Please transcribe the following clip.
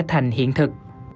thành hiện thực